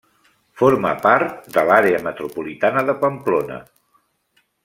Forma part de l'àrea metropolitana de Pamplona.